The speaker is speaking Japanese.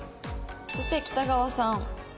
そして北川さん。